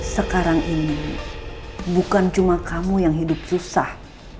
sekarang ini bukan cuma kamu yang hidup susah